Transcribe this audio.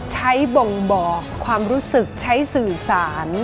บ่งบอกความรู้สึกใช้สื่อสาร